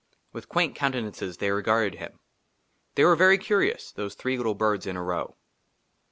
WITH QUAINT COUNTENANCES THEY REGARDED HIM. THEY WERE VERY CURIOUS, THOSE THREE LITTLE BIRDS IN A ROW.